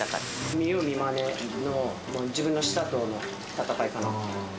見よう見まねの、自分の舌との戦いかな。